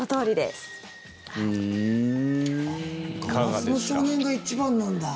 「硝子の少年」が一番なんだ。